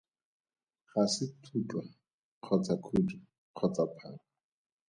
Ga se thutlwa kgotsa khudu kgotsa phala.